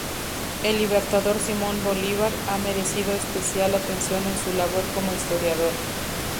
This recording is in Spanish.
El libertador Simón Bolívar ha merecido especial atención en su labor como historiador.